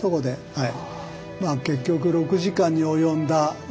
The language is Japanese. はい。